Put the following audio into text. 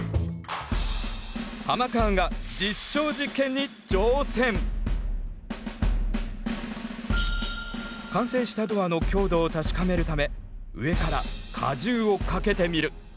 ハマカーンが完成したドアの強度を確かめるため上から荷重をかけてみる。